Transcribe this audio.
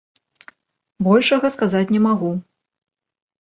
Большага сказаць не магу.